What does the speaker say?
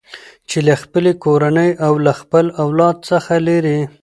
چې له خپلې کورنۍ او له خپل هیواد څخه لېرې